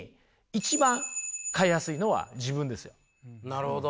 なるほど。